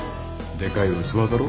でかい器だよ